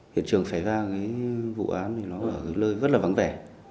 hiện trường xảy ra vụ án ở nơi rất là vắng vẻ